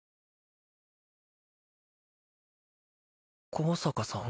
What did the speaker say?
香坂さん？